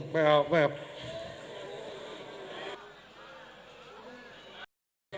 ไม่เอาไม่เอา